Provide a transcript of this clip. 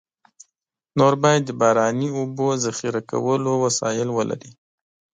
نور باید د باراني اوبو ذخیره کولو وسایل ولري.